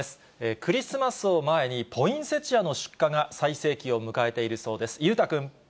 クリスマスを前に、ポインセチアの出荷が最盛期を迎えているそうです。